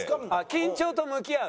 緊張と向き合う？